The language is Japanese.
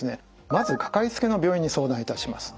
まずかかりつけの病院に相談いたします。